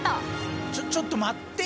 ちょちょっと待ってな！